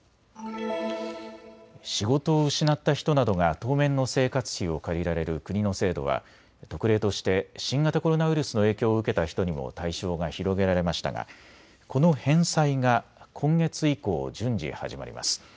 仕事を失った人などが当面の生活費を借りられる国の制度は特例として新型コロナウイルスの影響を受けた人にも対象が広げられましたがこの返済が今月以降、順次、始まります。